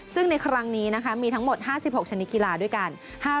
ซึ่งในครั้งนี้นะคะมีทั้งหมด๕๖ชนิดกีฬาด้วยกัน